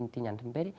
tin nhắn thân vết